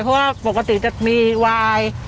เพราะว่าปกติจะมีวาย